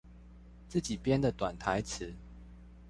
自己編的短台詞